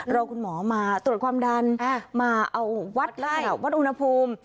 รอคุณหมอมาตรวจความดันมาเอาวัดแล้ววัดอุณหภูมิ